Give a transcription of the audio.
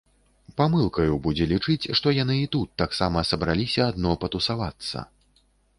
Памылкаю будзе лічыць, што яны і тут таксама сабраліся адно патусавацца.